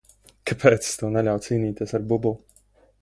Kāpēc es tev neļāvu cīnīties ar bubuli?